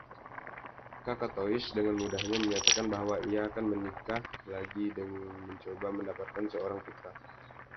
Cacatois dengan mudahnya menyatakan bahwa ia akan menikah lagi dan mencoba mendapatkan seorang putra.